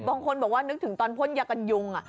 บางคนบอกว่านึกถึงตอนพ่นยากันยุง